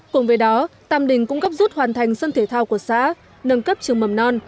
cùng với đó tàm đình cũng góp rút hoàn thành sân thể thao của xã nâng cấp trường mầm non